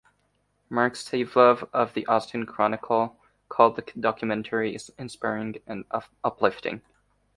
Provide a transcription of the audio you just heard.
Marc Savlov of "The Austin Chronicle" called the documentary "Inspiring and uplifting".